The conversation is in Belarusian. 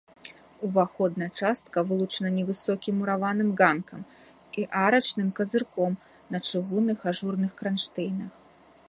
Уваходная частка вылучана невысокім мураваным ганкам і арачным казырком на чыгунных ажурных кранштэйнах.